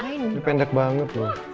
ini pendek banget loh